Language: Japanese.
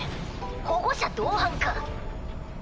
保護者同伴か。